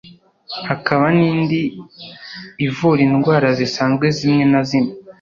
hakaba n’indi ivura indwara zisanzwe zimwe na zimwe